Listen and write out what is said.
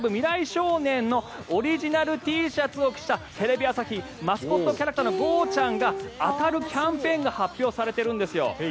少年のオリジナルＴシャツを着たテレビ朝日マスコットキャラクターのゴーちゃん。が当たるキャンペーンが発表されているんです。